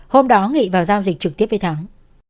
hôm đó nghị vào giao dịch trực tiếp với thắng